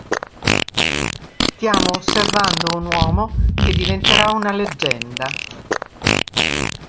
Stiamo osservando un uomo che diventerà una leggenda".